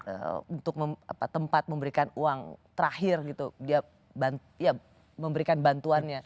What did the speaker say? untuk tempat memberikan uang terakhir gitu dia memberikan bantuannya